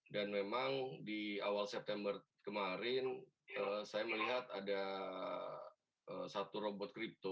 dan memang di awal september kemarin saya melihat ada satu robot kripto